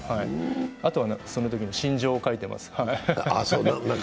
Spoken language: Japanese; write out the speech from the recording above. あとは、そのときの心情を書いてます。